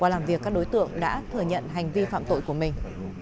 qua làm việc các đối tượng đã thừa nhận hành vi phạm tội của mình